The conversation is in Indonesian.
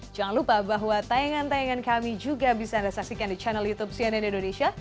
jangan lupa bahwa tayangan tayangan kami juga bisa anda saksikan di channel youtube cnn indonesia